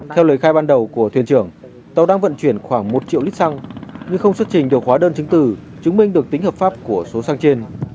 theo lời khai ban đầu của thuyền trưởng tàu đang vận chuyển khoảng một triệu lít xăng nhưng không xuất trình được hóa đơn chứng từ chứng minh được tính hợp pháp của số xăng trên